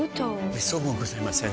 めっそうもございません。